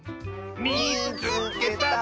「みいつけた！」。